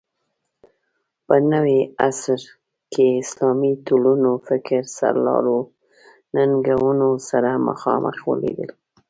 په نوي عصر کې اسلامي ټولنو فکر سرلارو ننګونو سره مخامخ ولیدل